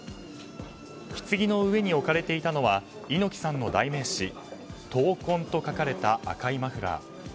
ひつぎの上に置かれていたのは猪木さんの代名詞「闘魂」と書かれた赤いマフラー。